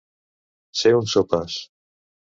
Ser un sopes.